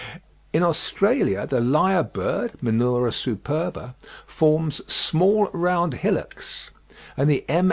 In Australia the lyre bird (Menura superba) forms "small round hillocks," and the M.